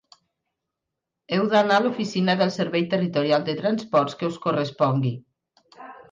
Heu d'anar a l'oficina del Servei Territorial de Transports que us correspongui.